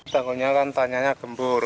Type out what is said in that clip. tanggulnya kan tanyanya gembur